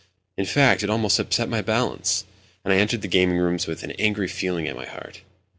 In fact, it almost upset my balance, and I entered the gaming rooms with an angry feeling at my heart.